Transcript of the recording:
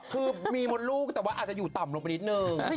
คือมีมดลูกแต่ว่าอาจจะอยู่ต่ำลงไปนิดนึง